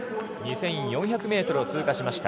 ２４００ｍ通過。